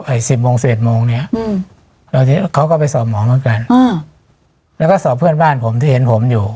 สิบโมงเศษโมงเนี้ยอืมแล้วทีนี้เขาก็ไปสอบหมอเหมือนกันอ่าแล้วก็สอบเพื่อนบ้านผมที่เห็นผมอยู่